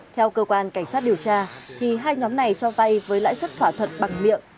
theo cơ quan cảnh sát điều tra thì hai nhóm này cho vay với lãi suất khỏa thuật bằng miệng